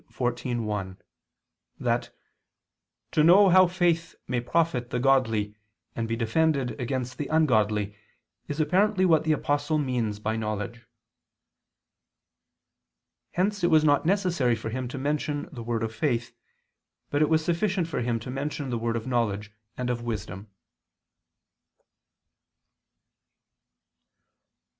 xiv, 1) that "to know how faith may profit the godly and be defended against the ungodly, is apparently what the Apostle means by knowledge." Hence it was not necessary for him to mention the word of faith, but it was sufficient for him to mention the word of knowledge and of wisdom.